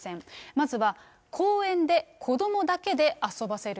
まずは公園で子どもだけで遊ばせる。